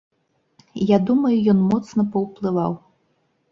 Я думаю, ён моцна паўплываў.